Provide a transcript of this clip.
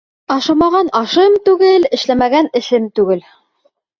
Ашамаған ашым түгел, эшләмәгән эшем түгел.